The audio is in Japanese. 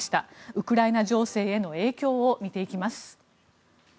ウクライナ情勢への影響を見ていきます。